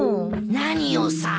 何をさ。